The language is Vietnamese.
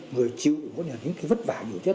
người chịu những cái vất vả nhiều nhất